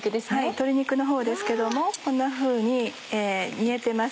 鶏肉のほうですけどもこんなふうに煮えてます。